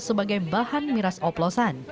sebagai bahan miras oplosan